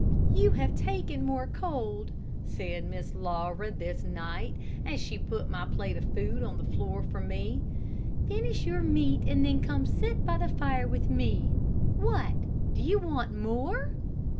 "You have taken more cold," said Miss Laura, this night, as she put my plate of food on the floor for me. "Finish your meat, and then come and sit by the fire with me. What! do you want more?"